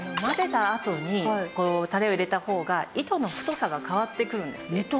混ぜたあとにタレを入れた方が糸の太さが変わってくるんですね。